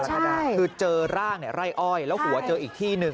กรกฎาคคือเจอร่างไร้อ้อยแล้วหัวเจออีกที่หนึ่ง